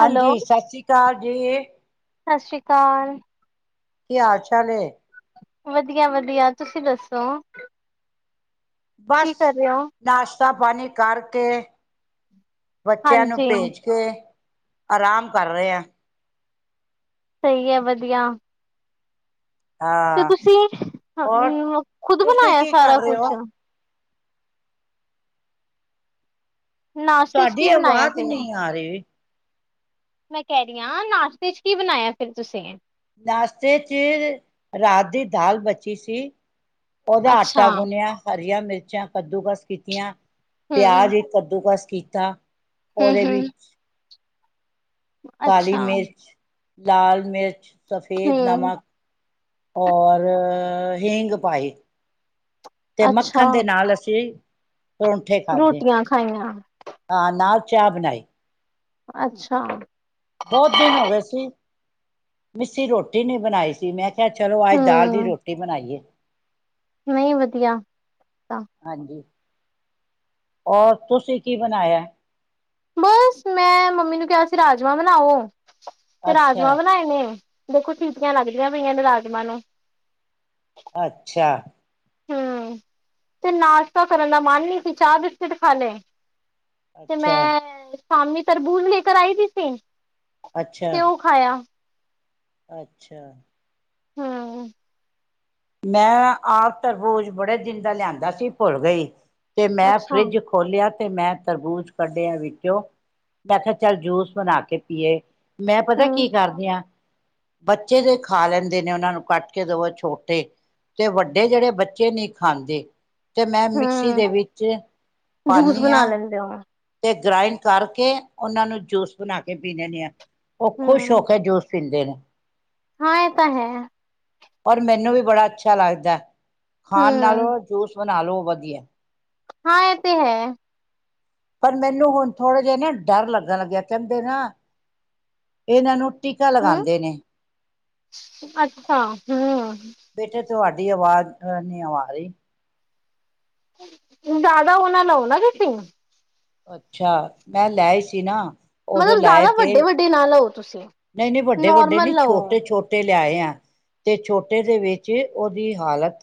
Hello, ਸਾ ਸ੍ਰੀ ਕਾਲ ਜੀ। ਸਤ ਸ਼੍ਰੀ ਕਾਲ। ਕੀ ਹਾਲ ਚਾਲ ਏ? ਵਧੀਆ-ਵਧੀਆ, ਤੁਸੀਂ ਦੱਸੋ? ਬਸ ਕੀ ਕਰ ਰਹੇ ਹੋ? ਨਾਸ਼ਤਾ ਪਾਣੀ ਕਾਰਕੇ ਬੱਚਿਆਂ ਨੂੰ ਹਾਂਜੀ, ਭੇਜ ਕੇ, ਆਰਾਮ ਕਰ ਰੇਆ। ਸਹੀ ਹੈ, ਵਧੀਆ। ਤੇ ਹਾਂ ਤੁਸੀਂ ਹੋਰ [unintelligible] ਖੁਦ ਤੁਸੀਂ ਬਣਾਯੈ ਕੀ ਕਰ ਸਾਰਾ ਰਹੇ ਕੁਛ? ਹੋ ਨਾਸ਼ਤੇ ਚ ਤੁਹਾਡੀ ਕੀ ਬਣਾਇਆ ਆਵਾਜ਼ ਫੇਰ? ਨਹੀਂ ਆ ਰਹੀ। ਮੈਂ ਕੈ ਰੀ ਆਂ ਨਾਸ਼ਤੇ ਚ ਕੀ ਬਣਾਯੈ, ਫਿਰ ਤੁਸੀਂ? ਨਾਸ਼ਤੇ ਚ ਰਾਤ ਦੀ ਦਾਲ ਬਚੀ ਸੀ। ਔਦਾ ਆਟਾ ਅੱਛਾ, ਗੁੰਨਿਆ, ਹਰੀਆਂ ਮਿਰਚਾਂ ਕੱਦੂਕਸ ਕੀਤੀਐਂ। ਹੂੰ, ਪਿਆਜ ਇੱਕ ਕੱਦੂਕਸ ਕੀਤਾ, ਓਹਦੇ ਹੂੰ-ਹੂੰ, ਵਿੱਚ ਕਾਲੀ ਅੱਛਾ, ਮਿਰਚ, ਲਾਲ ਮਿਰਚ, ਸਫੇਦ ਹੂੰ, ਨਮਕ। ਔਰ, ਹਿੰਗ ਪਾਈ। ਤੇ ਅੱਛਾ, ਮੱਖਣ ਦੇ ਨਾਲ ਅਸੀਂ ਪਰੋਂਂਠੇ ਖਾਧੇ। ਰੋਟੀਆਂ ਖਾਈਆਂ ਹਾਂ, ਨਾਲ ਚਾਹ ਬਣਾਈ। ਅੱਛਾ। ਬੌਤ ਦਿਨ ਹੋ ਗਏ ਸੀ, ਮਿੱਸੀ ਰੋਟੀ ਨਹੀਂ ਬਣਾਈ ਸੀ। ਮੈਂ ਕਿਆ ਚਲੋ ਅੱਜ ਦਾਲ ਦੀ ਹੂੰ, ਰੋਟੀ ਬਣਾਈਏ। ਨਹੀਂ ਵਧੀਆ, ਤਾਂ ਹਾਂਜੀ ਔਰ ਤੁਸੀਂ ਕੀ ਬਣਾਯੈ? ਬਸ ਮੈਂ ਮੰਮੀ ਨੂੰ ਕਿਹਾ ਸੀ, ਰਾਜਮਾਂ ਬਣਾਓ ਤੇ ਅੱਛਾ ਰਾਜਮਾਂ ਬਣਾਏ ਨੇ। ਦੇਖੋ ਚੀਟੀਆਂ ਲੱਗਦੀਆਂ ਪਈਆਂ ਨੇ ਰਾਜ਼ਮਾਂ ਨੂੰ। ਅੱਛਾ। ਹੂੰ, ਤੇ ਨਾਸ਼ਤਾ ਕਰਨ ਦਾ ਮਨ ਨੀ ਸੀ, ਚਾਹ ਬਿਸਕਿਟ ਖਾ ਲੇ। ਤੇ ਅੱਛਾ ਮੈਂ ਸਾਮਣੀ ਤਰਬੂਜ਼ ਲੇ ਕਰ ਆਈ ਦੀ ਸੀ। ਅੱਛਾ ਤੇ ਓਹ ਖਾਯਾ। ਅੱਛਾ। ਹੂੰ। ਮੈਂ ਆਪ ਤਰਬੋਜ਼ ਬੜੇ ਦਿਨ ਦਾ ਲਿਆਂਦਾ ਸੀ, ਭੁੱਲ ਗਈ। ਤੇ ਮੈਂ ਅੱਛਾ ਫਰਿੱਜ ਖੋਲਿਆ। ਤੇ ਮੈਂ ਤਰਬੂਜ਼ ਕੱਢਿਆ ਵਿੱਚੋਂ, ਮੈਂ ਕਿਹਾ ਚੱਲ ਜੂਸ ਬਣਾ ਕੇ ਪੀਏ। ਮੈਂ ਪਤਾ ਹੂੰ ਕੀ ਕਰਦੀ ਆਂ, ਬੱਚੇ ਜੇ ਖਾ ਲੈਂਦੇ ਨੇ ਔਨਾਂ ਨੂੰ ਕੱਟ ਕੇ ਦੇਵੋ ਛੋਟ ਟੇ ਵੱਡੇ ਜੇੜੇ ਬੱਚੇ ਨਹੀਂ ਖਾਂਦੇ। ਤੇ ਮੈਂ ਮਿਕਸੀ ਹੂੰ ਦੇ ਵਿੱਚ ਜੂਸ ਪਾੱਣੀ ਬਣਾ ਆਂ। ਲੈਂਦੇ ਹੋ ਤੇ ਗ੍ਰਾਇੰਡ ਕਰਕੇ ਓਨਾਂ ਨੂੰ ਜੂਸ ਬਣਾ ਕੇ ਪੀ ਲੈਂਨੇ ਆਂ। ਓ ਖੁਸ਼ ਹੋ ਹੂੰ ਕੇ ਜੂਸ ਪੀਂਦੇ ਨੇ। ਹਾਂ ਐ ਤਾਂ ਹੈ। ਪਰ ਮੈਨੂੰ ਵੀ ਬੜਾ ਅੱਛਾ ਲੱਗਦਾ ਐ। ਖਾਣ ਹੂੰ ਨਾਲੋਂ ਜੂਸ ਬਣਾ ਲਓ ਵਧੀਆ। ਹਾਂ ਏ ਤੇ ਹੈ। ਪਰ ਮੈਨੂੰ ਹੁਣ ਥੋੜੇ ਜਿਹੇ ਨਾ ਡਰ ਲੱਗਣ ਲੱਗਿਆ ਕਹਿੰਦੇ ਨਾ ਏਨਾਂ ਨੂੰ ਟੀਕਾ ਹੂੰ ਲਗਾਂਦੇ ਨੇ। ਅੱਛਾ ਹੂੰ ਬੇਟੇ ਤੁਹਾਡੀ ਆਵਾਜ਼ ਅ ਨੀ ਆ ਰੀ। ਜਾਦਾ ਓ ਨਾਂ ਲਓ ਨਾ ਤੁਸੀ। ਅੱਛਾ। ਮੈਂ ਲੈਆਇ ਸੀ ਨਾ ਓਦੋਂ ਮਤਲਬ ਲੈ ਜ਼ਿਆਦਾ ਵੱਡੇ ਪਏ ਵੱਡੇ ਨਾ ਲਓ ਤੁਸੀਂ ਨਈ ਨਈ ਵੱਡੇ-ਵੱਡੇ ਨੋਰਮਲ ਨੀ ਲਓ ਛੋਟੇ-ਛੋਟੇ ਲਿਆਏ ਆਂ ਤੇ ਛੋਟੇ ਦੇ ਵਿੱਚ ਓਦੀ ਹਾਲਤ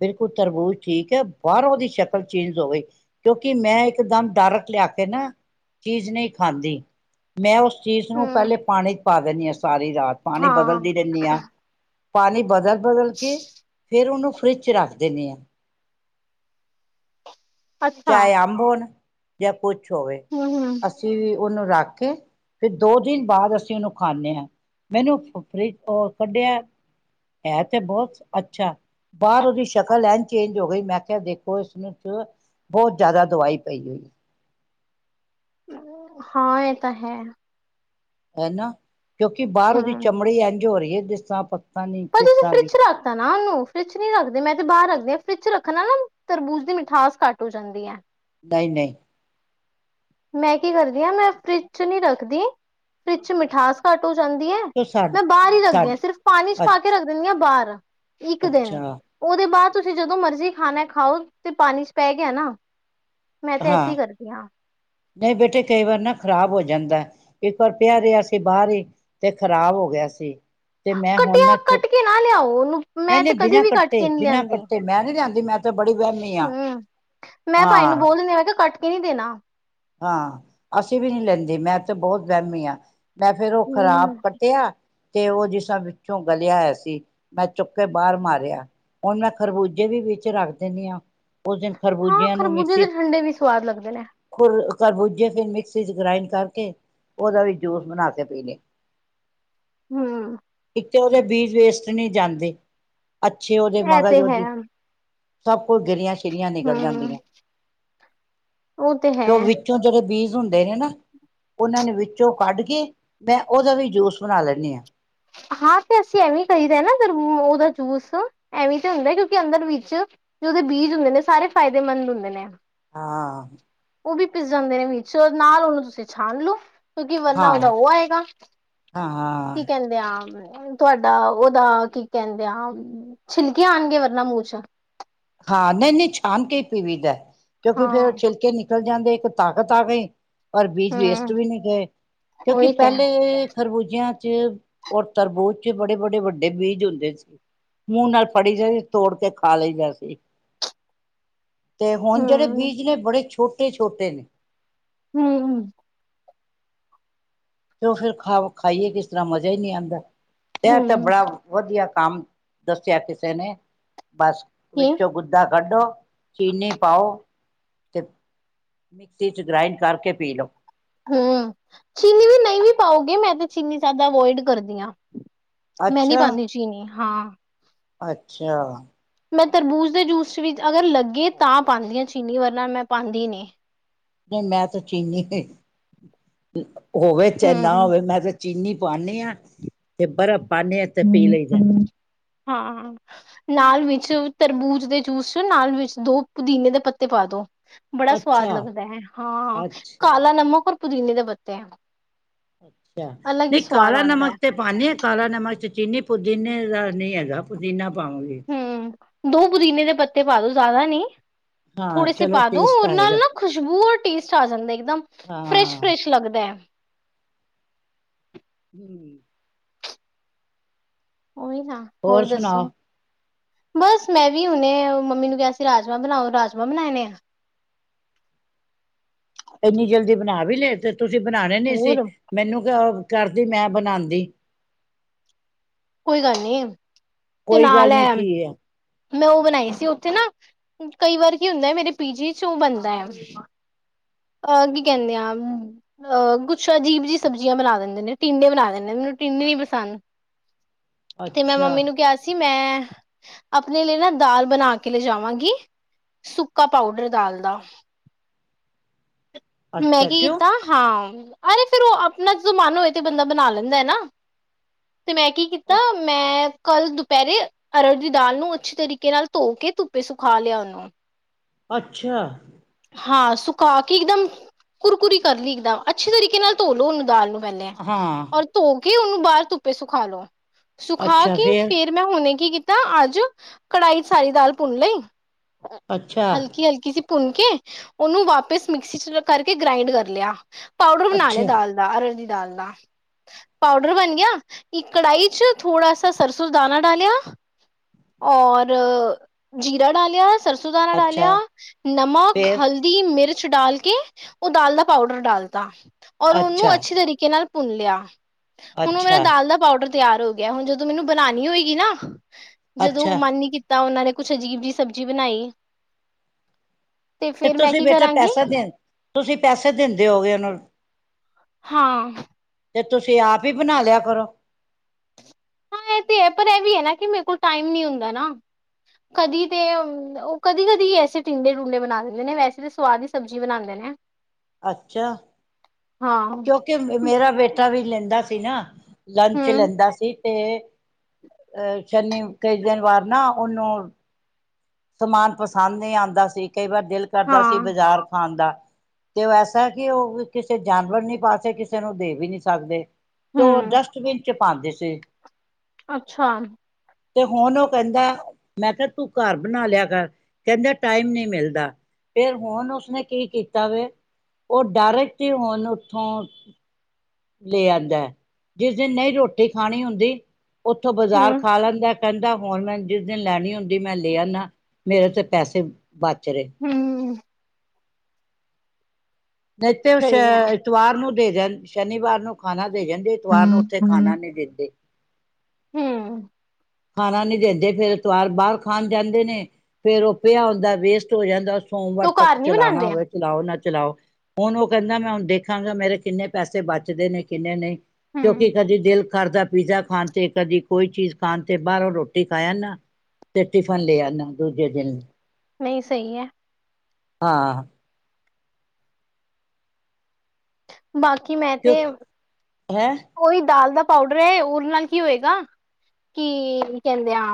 ਬਿਲਕੁਲ ਤਰਬੂਜ ਠੀਕ ਹੈ ਬਾਹਰੋਂ ਦੀ ਸ਼ਕਲ ਚੇਂਜ ਹੋਗਈ ਕਿਉਂਕਿ ਮੈਂ ਇੱਕਦਮ ਡਾਰਕ ਲੈ ਆ ਕੇ ਨਾ ਚੀਜ਼ ਨੀ ਖਾਂਦੀ ਮੈਂ ਓਸ ਚੀਜ਼ ਨੂੰ ਹੂੰ ਪਹਿਲੇ ਪਾਣੀ ਚ ਪਾ ਦੇਨੀ ਆਂ ਸਾਰੀ ਰਾਤ ਪਾਣੀ ਹਾਂ ਬਦਲਦੀ ਰਹਿੰਨੀ ਆਂ ਪਾਣੀ ਬਦਲ ਬਦਲ ਕੇ ਫੇਰ ਓਨੂੰ ਫਰਿੱਜ ਚ ਰੱਖ ਦਿੰਨੇ ਆਂ। ਅੱਛਾ ਚਾਹੇ ਅੰਬ ਹੋਣ ਜਾਂ ਕੁਛ ਹੋਵੇ ਹੂੰ ਹੂੰ ਅਸੀਂ ਓਨੁ ਰੱਖ ਕੇ ਫਿਰ ਦੋ ਦਿਨ ਬਾਦ ਅਸੀ ਓਨੁ ਖਾਂਨੇ ਆਂ। ਮੈਨੂੰ [unintelligible] ਫਰਿਜ ਤੋਂ ਕੱਢਿਆ ਐ ਹੈ ਤੇ ਬੋਤ ਅੱਛਾ। ਬਾਰ ਓਹਦੀ ਸ਼ਕਲ ਐਨ ਚੇਂਜ ਹੋ ਗਈ ਮੈਂ ਕਿਹਾ ਦੇਖੋ ਇਸਨੂੰ ਚ ਬੋਤ ਜਾਦਾ ਦਵਾਈ ਪਈ ਹੋਈ ਏ। ਹਾਂ ਐ ਤਾਂ ਹੈ। ਹੈਨਾ, ਕਿਉਂਕਿ ਬਾਰ ਓਦੀ ਹਮ ਚਮੜੀ ਏੰਝ ਹੋ ਰੀ ਏ ਜਿਸ ਤਰਾਂ ਪ ਪਰ ਤੁਸੀ ਫਰਿੱਚ ਰੱਖਤਾ ਨਾ ਓਨੂੰ, ਫਰਿੱਜ ਚ ਨੀ ਰੱਖਦੇ ਮੈਂ ਤੇ ਬਾਰ ਰੱਖਦੀ ਆਂ। ਫਰਿਚ ਰੱਖਣ ਨਾਲ ਨ ਤਰਬੂਜ ਦੀ ਮਿਠਾਸ ਘੱਟ ਹੋ ਜਾਂਦੀ ਐ। ਨਈ-ਨਈ। ਮੈਂ ਕੀ ਕਰਦੀ ਹਾਂ ਮੈਂ ਫਰਿੱਜ ਚ ਨੀ ਰੱਖਦੀ, ਫਰਿੱਜ ਚ ਮਿਠਾਸ ਘੱਟ ਹੋ ਜਾਂਦੀ ਐ, ਤੇ ਸਾ ਮੈਂ ਬਾਰ ਹੀ ਰੱਖਦੀ ਆਂ ਸਿਰਫ਼ ਪਾਣੀ ਚ ਪਾ ਕੇ ਰੱਖ ਦਿੰਦੀ ਹਾਂ ਬਾਰ। ਇੱਕ ਦਿਨ, ਅੱਛਾ-ਅੱਛਾ ਓਦੇ ਬਾਦ ਤੁਸੀ ਜਦੋਂ ਮਰਜੀ ਖਾਨਾ ਐ ਖਾਓ ਤੇ ਪਾਨੀ ਚ ਪੈ ਗਿਆ ਨਾ, ਮੈਂ ਤੇ ਐਸੇ ਈ ਕਰਦੀ ਆਂ। ਨਈ ਬੇਟੇ ਕਈ ਵਾਰ ਨਾ ਖ਼ਰਾਬ ਹੋ ਜਾਂਦਾ ਐ, ਇੱਕ ਵਾਰ ਪਿਆ ਰਿਆ ਸੀ ਬਾਰ ਈ ਤੇ ਖ਼ਰਾਬ ਹੋ ਗਿਆ ਸੀ ਤੇ ਮੈਂ ਹੁਨ ਕੱਟਿਆ ਨਾ ਚੁੱਪ ਕੱਟ ਕੇ ਨਾ ਲਿਆਓ ਨਹੀਂ ਮੈਂ ਨਹੀਂ ਤੇ ਕਦੀ ਬਿਨਾਂ ਵੀ ਕੱਟ ਕੱਟੇ ਕੇ ਨੀ ਬਿਨਾਂ ਲਿਆਂਦੀ। ਕੱਟੇ ਮੈਂ ਨੀ ਲਿਆਂਦੀ ਮੈਂ ਤਾਂ ਬੜੀ ਵਹਿਮੀ ਹਾਂ। ਹੂੰ, ਮੈਂ ਭਾਈ ਹਾਂ ਨੂੰ ਬੋਲ ਦਿੰਦੀ ਮੈਂ ਕਿਹਾ ਕੱਟ ਕੇ ਨੀ ਦੇਨਾ। ਹਾਂ ਅਸੀ ਵੀ ਨੀ ਲੈਂਦੇ, ਮੈਂ ਤੇ ਬੋਤ ਵਹਿਮੀ ਆਂ। ਮੈਂ ਫੇਰ ਓਹ ਖ਼ਰਾਬ ਹਮ ਕੱਟਿਆ ਤੇ ਓ ਜਿਸਰਾਂ ਵਿੱਚੋਂ ਗਲਿਆ ਹੋਇਆ ਸੀ, ਮੈਂ ਚੁੱਕ ਕੇ ਬਾਰ ਮਾਰਿਆ। ਹੁਨ ਮੈਂ ਖਰਬੂਜੇ ਵੀ ਵਿੱਚ ਰੱਖ ਦਿੰਨੀ ਆਂ। ਓਸ ਦਿਨ ਹਾਂ ਖਰਬੂਜੇਆਂ ਨੂੰ ਖਰਬੂਜੇ ਮਿਕਸੀ ਦੇ ਚ ਠੰਡੇ ਵੀ ਸਵਾਦ ਲੱਗਦੇ ਨੇ ਖਰਬੂਜੇ ਫਿਰ ਮਿਕਸੀ ਚ ਗ੍ਰਾਇੰਡ ਕਰਕੇ ਔਦਾ ਵੀ ਜੂਸ ਬਣਾ ਕੇ ਪੀਲੇ। ਹੂੰ। ਤੇ ਓਦੇ ਬੀਜ ਵੇਸਟ ਨੀ ਜਾਂਦੇ, ਅੱਛੇ ਓਦੇ ਇਹ ਤੇ ਮਗਜ਼ ਹੈ ਔਦੀ ਸਭ ਕੋ ਗਿਰੀਆਂ ਸ਼ਿਰੀਆਂ ਨਿਕਲ ਹੂੰ ਜਾਂਦੀਆਂ। ਉਹ ਤੇ ਹੈ ਕਯੋਂ ਵਿੱਚੋਂ ਜਦੋਂ ਬੀਜ ਹੁੰਦੇ ਨੇ ਨਾ, ਔਨਾਂ ਨੇ ਵਿੱਚੋਂ ਕੱਢ ਕੇ ਮੈਂ ਔਦਾ ਵੀ ਜੂਸ ਬਨਾ ਲੈਂਨੀ ਆਂ। ਹਾਂ ਤੇ ਅਸੀਂ ਐਵੇਂ ਈ ਕਰਹੀਦੇ ਨਾ ਫਿਰ ਔਦਾ ਜੂਸ, ਐਵੇਂ ਈ ਤੇ ਹੁੰਦਾ ਕਿਉਂਕਿ ਅੰਦਰ ਵਿੱਚ ਵੀ ਔਦੇ ਬੀਜ ਹੁੰਦੇ ਨੇ, ਸਾਰੇ ਫਾਇਦੇਮੰਦ ਹੁੰਦੇ ਨੇ। ਹਾਂ। ਉਹ ਵੀ ਪਿਸ ਜਾਂਦੇ ਨੇ ਵਿੱਚ ਨਾਲ ਉਹਨੂੰ ਤੁਸੀਂ ਛਾਨ ਲੋ। ਕਿਉਂਕਿ ਵਰਨਾ ਉਹਦਾ ਹਾਂ ਉਹ ਆਏਗਾ ਹਾਂ ਹਾਂ ਕੀ ਕਹਿੰਦੇ ਆ? ਤੁਹਾਡਾ ਉਹਦਾ ਕੀ ਕਹਿੰਦੇ ਆ ਛਿਲਕੇ ਆਨੰਗੇ ਵਰਨਾ ਮੂੰਹ ਚ। ਹਾਂ ਨਹੀਂ-ਨਹੀਂ ਛਾਨ ਕੇ ਪੀਵੀ ਦਾ ਐ ਕਿਉਂਕਿ ਫੇਰ ਉਹ ਹਾਂ ਛਿਲਕੇ ਨ ਨਿਕਲ ਜਾਂਦੇ ਇੱਕ ਤਾਕਤ ਆ ਗਈ, ਪਰ ਬੀਜ ਵੇਸਟ ਹੂੰ ਵੀ ਨੀ ਗਏ ਕਿਉਂਕਿ ਉਹੀ ਤੇ ਪਹਿਲੇ ਤਰਬੂਜੀਆਂ ਚ ਔਰ ਤਰਬੂਜ ਚ ਬੜੇ-ਬੜੇ ਵੱਡੇ ਬੀਜ ਹੁੰਦੇ ਸੀ। ਮੂੰਹ ਨਾਲ ਫੜੀ ਜਾਵੇ ਤੋੜ ਕੇ ਖਾ ਲਈ ਬਸ। ਤੇ ਹੁਨ ਜਿਹੜੇ ਹੂੰ ਬੀਜ ਨੇ, ਬੜੇ ਛੋਟੇ-ਛੋਟੇ ਨੇ। ਹੂੰ-ਹੂੰ। ਤੇ ਫਿਰ ਖਾ ਖਾਈਏ ਕਿਸ ਤਰ੍ਹਾਂ ਮਜ਼ਾ ਹੀ ਨਹੀਂ ਆਂਦਾ ਇਹ ਤਾਂ ਹੂੰ ਬੜਾ ਵਧੀਆ ਕੰਮ ਦੱਸਿਆ ਕਿਸੇ ਨੇ, ਬਸ ਕੀ ਵਿੱਚੋਂ ਗੁੱਦਾ ਕੱਢੋ, ਚੀਨੀ ਪਾਓ ਤੇ ਮਿਕਸੀ ਚ ਗ੍ਰਾਇੰਡ ਕਰਕੇ ਪੀ ਲਓ। ਹੂੰ, ਚੀਨੀ ਵੀ ਨਹੀਂ ਵੀ ਪਾਓਗੇ ਮੈਂ ਤਾਂ ਚੀਨੀ ਜ਼ਿਆਦਾ ਅਵੋਇਡ ਕਰਦੀ ਆਂ, ਮੈਂ ਨੀ ਅੱਛਾ ਪਾਂਦੀ ਚੀਨੀ ਹਾਂ। ਅੱਛਾ। ਮੈਂ ਤਰਬੂਜ਼ ਦੇ ਜੂਸ ਵਿੱਚ ਅਗਰ ਲੱਗੇ ਤਾਂ ਪਾਂਦੀ ਆਂ ਚੀਨੀ, ਵਰਨਾ ਮੈਂ ਪਾਂਦੀ ਨੀ। ਨਹੀਂ ਮੈਂ ਤਾਂ ਚੀਨੀ, ਹੋਵੇ ਚਾਹੇ ਨਾ ਹੂੰ, ਹੋਵੇ ਮੈਂ ਤਾਂ ਚੀਨੀ ਪਾਨੇ ਆ। ਤੇ ਬਰਫ਼ ਪਾਦੇ ਹਾਂ। ਤੇ ਪੀ ਲਈ ਦਾ ਹਾਂ। ਨਾਲ ਵਿੱਚ ਤਰਬੂਜ ਦੇ ਜੂਸ ਨਾਲ ਵਿੱਚ ਦੋ ਪੁਦੀਨੇ ਦੇ ਪੱਤੇ ਪਾ ਦੋ। ਬੜਾ ਸਵਾਦ ਅੱਛਾ ਲੱਗਦਾ ਹੈ। ਹਾਂ, ਅੱਛਾ ਕਾਲਾ ਨਮਕ ਔਰ ਪੁਦੀਨੇ ਦੇ ਪੱਤੇ ਹੈ। ਅੱਛਾ, ਨਹੀਂ ਕਾਲਾ ਆਂਦਾ ਹੈ ਨਮਕ ਤੇ ਪਾਉਂਦੇ ਆ। ਕਾਲਾ ਨਮਕ ਚ ਚੀਨੀ ਪੁਦੀਨੇ ਦਾ ਨੀ ਹੈਗਾ। ਪੁਦੀਨਾ ਪਾਵਾਂਗੇ ਹੂੰ, ਦੋ ਪੁਦੀਨੇ ਦੇ ਪੱਤੇ ਪਾ ਦੋ ਜ਼ਿਆਦਾ ਨੀ। ਹਾਂ, ਥੋੜੇ ਸੀ ਚਲੋ ਪਾ ਦੋ, ਟੇਸਟ ਉਹਦੇ ਨਾਲ ਆਏਗਾ ਨਾ ਖੁਸ਼ਬੂ ਰ ਟੇਸਟ ਆ ਜਾਂਦਾ। ਇੱਕਦਮ ਫਰੈਸ਼ ਹਾਂ ਫਰੈਸ਼ ਲੱਗਦਾ ਹੈ। ਹੂੰ, ਉਹੀ ਨਾ ਹੋਰ ਦੱਸੋ? ਬਸ ਮੈਂ ਵੀ ਹੁਨੇ, ਮੰਮੀ ਨੂੰ ਕਿਹਾ ਸੀ। [unintelligible] ਇੰਨੀ ਜਲਦੀ ਬਣਾ ਵੀ ਲੈ ਤੇ ਤੁਸੀਂ ਬਣਾਣੇ ਨਹੀਂ ਸੀ। ਹੋਰ ਮੈਨੂੰ ਕ ਕਰਦੀ ਮੈਂ ਬਣਾਦੀ। ਕੋਈ ਗੱਲ ਨੀ। ਤੇ ਕੋਈ ਨਾਲ ਗੱਲ ਨੀ ਕੀ ਹੈ। ਮੈਂ ਉਹ ਬਣਾਈ ਸੀ। ਉੱਥੇ ਨਾ, ਕਈ ਵਾਰ ਕੀ ਹੁੰਦਾ। ਮੇਰੇ ਪੀਜੀ ਚ ਉਹ ਬਣਦਾ ਐ। ਅਹ ਕੀ ਕਹਿੰਦੇ ਆ। ਅਹ, ਕੁਛ ਅਜੀਬ ਜੀ ਸਬਜ਼ੀਆਂ ਬਣਾ ਦਿੰਦੇ ਨੇ। ਟਿੰਡੇ ਬਣਾ ਦਿੰਦੇ ਨੇ। ਟੀਡੇ ਨੀ ਪਸੰਦ। ਤੇ ਮੈਂ ਅੱਛਾ ਮੰਮੀ ਨੂੰ ਕਿਹਾ ਸੀ। ਮੈਂ ਆਪਣੇ ਲਈ ਨਾ ਦਾਲ ਬਣਾ ਕੇ ਲੈਜਾਵਾਂਗੀ। ਸੁੱਕਾ ਪਾਊਡਰ ਦਾਲ ਦਾ। ਮੈਂ ਅੱਛਾ ਕੀ ਕਿਉਂ ਕੀਤਾ। ਹਾਂ, ਅਰੇ ਫੇਰ ਉਹ ਆਪਣਾ ਜ਼ਮਾਨ ਹੋਏ ਤੇ ਬੰਦਾ ਬਣਾ ਲੈਂਦਾ ਹੈ ਨਾ। ਤੇ ਮੈਂ ਕੀ ਕੀਤਾ। ਮੈਂ, ਕੱਲ ਦੁਪਹਿਰੇ ਅਰੜ ਦੀ ਦਾਲ ਨੂੰ ਅੱਛੇ ਤਰੀਕੇ ਨਾਲ ਧੋ ਕੇ ਧੁੱਪੇ ਸੁਖਾ ਲਿਆ। ਅੱਛਾ! ਹਾਂ। ਸੁਕਾ ਕੇ ਇੱਕਦਮ ਕੁਰਕੁਰੀ ਕਰ ਲਈ ਇੱਕਦਮ ਅੱਛੇ ਤਰੀਕੇ ਨਾਲ ਧੋਲੋ ਉਹਨੂੰ ਦਾਲ ਨੂੰ ਪਹਿਲੇ ਹਾਂ ਔਰ ਧੋ ਕੇ ਉਹਨੂੰ ਬਾਹਰ ਧੁੱਪੇ ਸੁਖਾ ਲੋ। ਸੁਖਾ ਕੇ, ਫੇਰ ਮੈਂ ਹੁਣੇ ਕੀ ਕੀਤਾ। ਤਾਂ ਅੱਜ ਕੜਾਹੀ ਚ ਸਾਰੀ ਦਾਲ ਭੁੰਨ ਲਈ, ਅੱਛਾ ਹਲਕੀ ਹਲਕੀ ਸੀ, ਭੁੰਨ ਕੇ ਉਹਨੂੰ ਵਾਪਿਸ ਮਿਕਸੀ ਚ ਕਰਕੇ ਗ੍ਰਾਇੰਡ ਕਰ ਲਿਆ। ਪਾਊਡਰ ਬਣਾ ਲਿਆ ਅੱਛਾ ਦਾਲ ਦਾ। ਅਰ ਦਾਲ ਦਾ ਪਾਊਡਰ ਬਣ ਗਿਆ। ਇੱਕ ਕੜਾਹੀ ਚ ਥੋੜਾ ਸਾ ਸਰਸੋਂ ਦਾਨਾ ਡਾਲਿਆ। ਔਰ, ਜੀਰਾ ਡਾਲਿਆ। ਸਰਸੋਂ ਦਾਣਾ ਡਾਲਿਆ। ਅੱਛਾ ਨਮਕ, ਫੇਰ ਹਲਦੀ, ਮਿਰਚ ਡਾਲ ਕੇ, ਉਹ ਦਾਲ ਦਾ ਪਾਊਡਰ ਡਾਲਤਾ ਔਰ ਉਹਨੂੰ ਅੱਛਾ ਅੱਛੇ ਤਰੀਕੇ ਨਾਲ ਭੁੰਨ ਲਿਆ। ਹੁਣ ਉਹ ਮੇਰਾ ਅੱਛਾ ਦਾਲ ਦਾ ਪਾਊਡਰ ਤਿਆਰ ਹੋ ਗਿਆ। ਹੁਣ, ਜਦੋਂ ਮੈਨੂੰ ਬਣਾਨਣੀ ਹੋਏਗੀ ਨਾ ਜਦੋਂ ਅੱਛਾ ਮਨ ਨੀ ਕੀਤਾ। ਉਹਨਾਂ ਨੇ ਕੁਛ ਅਜੀਬ ਜਿਹੀ ਸਬਜ਼ੀ ਬਣਾਈ। ਤੇ ਫੇਰ ਮੈਂ ਤੁਸੀਂ ਕੀ ਬੇਟਾ ਕਰਾਂਗੀ ਪੈਸਾ ਦੇ, ਤੁਸੀਂ ਪੈਸੇ ਦਿੰਦੇ ਹੋਗੇ ਉਹਨੂੰ ਹਾਂ, ਤੇ ਤੁਸੀਂ ਆਪ ਹੀ ਬਣਾ ਲਿਆ ਕਰੋ। ਹਾਂ, ਇਹ ਤੇ ਹੈ। ਪਰ ਇਹ ਵੀ ਹੈ ਨਾ ਕਿ ਮੇਰੇ ਕੋਲ ਟਾਈਮ ਨੀ ਹੁੰਦਾ ਨਾ। ਕਦੀ ਤੇ ਉਹ ਕਦੀ -ਕਦੀ ਐਸੇ ਟਿੰਡੇ -ਟੂੰਡੇ ਬਣਾ ਦਿੰਦੇ ਨੇ। ਵੈਸੇ ਤਾਂ ਸੁਵਾਦ ਹੀ ਸਬਜ਼ੀ ਬਣਾਉਂਦੇ ਨੇ। ਅੱਛਾ। ਹਾਂ ਕਿਉਂਕਿ ਮੇਰਾ ਬੇਟਾ ਵੀ ਲੈਂਦਾ ਸੀ ਨਾ, ਲੰਚ ਹਮ ਲੈਂਦਾ ਸੀ। ਤੇ ਅਹ ਸ਼ਨੀ, ਕਈ ਦਿਨ ਵਾਰ ਨਾ ਉਹਨੂੰ ਸਮਾਨ ਪਸੰਦ ਨਹੀਂ ਆਉਂਦਾ ਸੀ। ਕਈ ਵਾਰ ਦਿਲ ਕਰਦਾ ਸੀ। ਹਾਂ ਬਾਜ਼ਾਰ ਖਾਣ ਦਾ ਤੇ ਉਹ ਐਸਾ ਕਿ ਉਹ ਕਿਸੇ ਜਾਨਵਰ ਨਹੀਂ ਪਾਸੇ ਕਿਸੇ ਨੂੰ ਦੇ ਵੀ ਨਹੀਂ ਸਕਦੇ। ਤ ਹਮ ਡਸਟਬਿਨ ਚ ਪਾਉਂਦੇ ਸੀ। ਅੱਛਾ ਤੇ ਹੁਣ ਉਹ ਕਹਿੰਦਾ ਮੈਂ ਕਿਹਾ ਤੂੰ ਕਰ ਬਣਾ ਲਿਆ ਕਰ ਕਹਿੰਦੇ ਟਾਈਮ ਨਹੀਂ ਮਿਲਦਾ ਫਿਰ ਹੁਣ ਉਸਨੇ ਕੀ ਕੀਤਾ ਵੇ ਉਹ ਡਾਇਰਕਟ ਹੀ ਹੁਣ ਉੱਥੋਂ ਲੈ ਆਉਂਦਾ ਜਿਸ ਦਿਨ ਨਹੀਂ ਰੋਟੀ ਖਾਣੀ ਹੁੰਦੀ ਉੱਥੋਂ ਬਾਜ਼ਾਰ ਹਮ ਖਾ ਲੈਂਦਾ ਕਹਿੰਦਾ ਹੁਣ ਮੈਂ ਜਿਸ ਦਿਨ ਲੈਣੀ ਹੁੰਦੀ ਮੈਂ ਲੈ ਆਂਦਾ ਮੇਰੇ ਤੇ ਪੈਸੇ ਬਚ ਰਹੇ ਹਮ ਨਹੀਂ ਤੇ ਉਹ ਸਹੀ ਹੈ ਐਤਵਾਰ ਨੂੰ ਦੇ ਦੇਣ ਸ਼ਨੀਵਾਰ ਨੂੰ ਖਾਣਾ ਦੇ ਜਾਂਦੇ ਇਤਵਾਰ ਨੂੰ ਉੱਥੇ ਖਾਣਾ ਨਹੀਂੀ ਦਿੰਦੇ ਹਮ ਖਾਣਾ ਨੀ ਦਿੰਦੇ ਫੇਰ ਤਵਾਰ ਬਾਹਰ ਖਾਣ ਜਾਂਦੇ ਨੇ ਫੇਰ ਉਹ ਪਿਆ ਹੁੰਦਾ ਵੇਸਟ ਹੋ ਜਾਂਦਾ ਸੋਮਵਾਰ ਉਹ ਤੱਕ ਘਰ ਨੀ ਚਲਾਉਣਾ ਬਣਾਉਂਦੇ ਆ ਹੋਵੇ ਚਲਾਓ ਚਲਾਓ ਹੁਣ ਉਹ ਕਹਿੰਦਾ ਮੈਂ ਹੁਣ ਦੇਖਾਂਗਾ ਮੇਰੇ ਕਿੰਨੇ ਪੈਸੇ ਬਚਦੇ ਨੇ ਕਿੰਨੇ ਨਹੀਂ ਕਿਉਂਕਿ ਹਮ ਕਦੀ ਦਿਲ ਕਰਦਾ ਪੀਜ਼ਾ ਖਾਣ ਤੇ ਕਦੀ ਕੋਈ ਚੀਜ਼ ਖਾਣ ਤੇ ਬਾਹਰੋਂ ਰੋਟੀ ਖਾ ਆਨਾ ਤੇ ਟਿਫਨ ਲੈ ਆਦਾ ਦੂਜੇ ਦਿਨ ਨਹੀਂ ਸਹੀ ਹੈ ਹਾਂ ਬਾਕੀ ਮੈਂ ਤੇ ਕਿਉਂ ਹੈਂ ਉਹੀ ਦਾਲ ਦਾ ਪਾਊਡਰ ਹੈ ਉਹਦੇ ਨਾਲ ਕੀ ਹੋਏਗਾ ਕੀ ਕਹਿੰਦੇ ਆ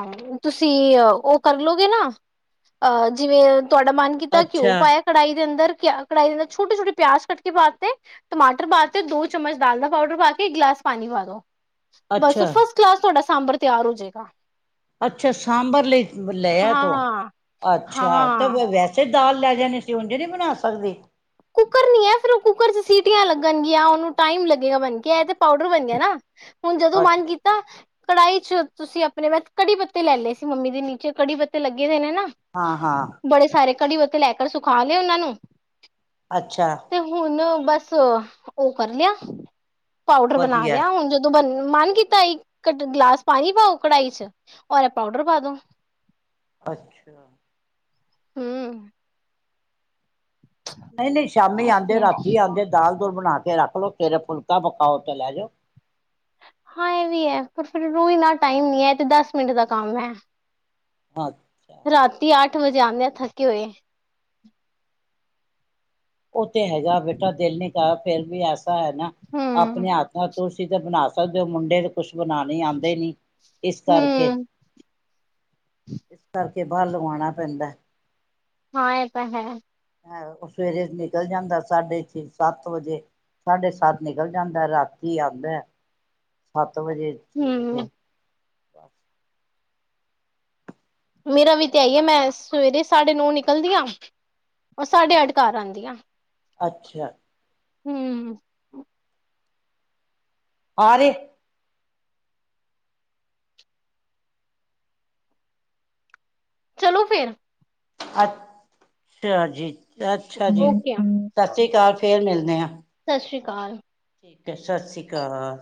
ਤੁਸੀਂ ਉਹ ਕਰਲੋਗੇ ਨਾ ਅਹ ਜਿਵੇਂ ਤੁਹਾਡਾ ਮਨ ਕੀਤਾ ਘਿਓ ਅੱਛਾ ਪਾਇਆ ਕੜਾਹੀ ਦੇ ਅੰਦਰ ਕੜਾਈ ਦਿੰਦਾ ਛੋਟੇ ਛੋਟ ਪਿਆਜ਼ ਕਟ ਕੇ ਬਾਤੇ ਟਮਾਟਰ ਪਾਦੇੋ ਚਮਚ ਦਾਲ ਦਾ ਪਾਊਡਰ ਪਾ ਗਲਾਸ ਪਾਣੀ ਵ ਦੋ ਬਸ ਅੱਛਾ ਫਸਟ ਗਲਾਸ ਤੁਹਾਡਾ ਸਾਂਬਰ ਤਿਆਰ ਹੋ ਜਾਏਗਾ ਅੱਛਾ। ਸਾਂਬਰ ਲਈ ਲੈ ਆ ਹਾਂ ਤੂੰ, ਅੱਛਾ। ਤਾਂ ਹਾਂ ਵੈਸੇ ਦਾਲ ਲੈ ਜਾਣੀ ਅਸੀਂ ਉਂਝੇ ਨਹੀਂ ਬਣਾ ਸਕਦੇ ਕੁੱਕਰ ਨੀ ਹੈ ਫਿਰ ਉਹ ਕੁੂੱਕਰ ਚ ਸੀਟੀਆਂ ਲੱਗਣਗੀਆਂ ਉਹਨੂੰ ਟਾਈਮ ਲੱਗੇਗਾ ਬਣ ਗਿਆ ਇਹ ਤੇ ਪਾਊਡਰ ਬਣ ਗਿਆ ਨਾ ਹੁਣ ਜਦੋਂ ਮਨ ਅੱਛਾ ਕੀਤਾ ਕੜਾਈ ਚ ਤੁਸੀਂ ਆਪਣੇ ਮ ਕੜੀ ਪੱਤੇ ਲੈ ਲਏ ਸੀ ਮੰਮੀ ਜੀ ਨੀਚੇ ਕੜੀ ਪੱਤੇ ਲੱਗੇ ਨੇ ਨਾ ਹਾਂ ਹਾਂ ਬੜੇ ਸਾਰੇ ਘੜੀ ਬੱਤੇ ਲੈ ਕਰ ਸੁਖਾ ਲਏ ਉਹਨਾਂ ਨੂੰ ਅੱਛਾ ਤੇ ਹੁਣ ਬਸ ਉਹ ਕਰ ਲਿਆ ਪਾਊਡਰ ਬਣਾ ਵਧੀਆ ਲਿਆ ਹੁਣ ਜਦੋਂ ਬੰ ਮਨ ਕੀਤਾ ਸੀ ਕ ਗਲਾਸ ਪਾਣੀ ਪਾਓ ਕੜਾਹੀ ਚ ਔਰ ਪਾਊਡਰ ਪਾ ਦੋ ਅੱਛਾ ਹੂੰ ਨਹੀਂ ਨਹੀਂ ਸ਼ਾਮੀ ਐਸੇ ਆਉਂਦੇ ਹੈ ਰਾਤੀ ਆਉਂਦੇ ਦਾਲ ਬਣਾ ਕੇ ਰੱਖ ਲੋਓ ਫਿਰ ਫੁਲਕਾ ਪਕਾਓ ਤੇ ਲੈ ਜਾਓ ਹਾਂ ਇਹ ਵੀ ਹੈ ਪਰ ਫਿਰ ਰੋ ਇਨਾ ਟਾਈਮ ਨ ਹੈ ਤੇ ਦਸ ਮਿੰਟ ਦਾ ਕੰਮ ਹੈ ਅੱਛਾ ਰਾਤੀ ਅੱਠ ਵਜੇ ਆਉਂਦਿਆਂ ਥੱਕੇ ਹੋਏ ਉਹ ਤੇ ਹੈਗਾ ਬੇਟਾ ਦਿਲ ਨ ਕਰ ਫੇਿਰ ਵੀ ਐਸਾ ਹੈ ਨਾ ਹੂੰ ਆਪਣੇ ਹਥ ਨਾਲ ਤੁਸੀਂ ਤਾਂ ਬਣਾ ਸਕਦੇ ਹੋ ਮੁੰਡੇ ਤੇ ਕੁਛ ਬਣਾਣੇ ਹੀ ਆਉਂਦੇ ਨੀ ਇਸ ਕਰਕੇ ਹੂੰ ਇਸ ਕਰਕੇ ਬਾਹਰ ਲਵਾਉਣਾ ਪੈਂਦਾ ਹਾਂ ਆ ਤਾਂ ਹੈ ਹੈ ਉਹ ਸਵੇਰੇ ਨਿਕਲ ਜਾਂਦਾ ਸਾਡੇ ਇੱਥੇ ਸੱਤ ਵਜੇ ਸਾਡੇ ਸੱਤ ਨਿਕਲ ਜਾਂਦਾ ਰਾਤੀ ਆਉਂਦਾ ਸੱਤ ਸੱਤ ਵਜੇ ਛੇ ਵਜੇ ਹੂੰ ਬਸ ਮੇਰਾ ਵੀ ਤੇ ਆਈ ਹੈ ਮੈਂ ਸਵੇਰੇ ਸਾਢੇ ਨੌ ਨਿਕਲਦੀ ਹਾਂ ਉਹ ਸਾਡੇ ਅੱਛਾ ਅਡਕਾਰ ਆਦੀਆਂ ਅੱਛਾ ਹੂੰ ਆ ਰੇ ਚਲੋ ਫਿਰ। ਅੱ ਟਾ ਜੀ, ਅੱਛਾ ਜੀ, ਸਤਿ ਸ੍ਰੀ ਕਾਲ। ਫੇਰ ਮਿਲਦੇ ਆ। ਸਤਿ ਸ਼੍ਰੀ ਅਕਾਲ। ਠੀਕ ਹੈ ਸਸ੍ਰੀ ਕਾਲ।